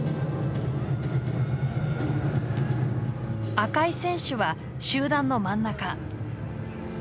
赤井選手は集団の真ん中。